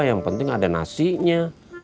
yang penting ada nasinya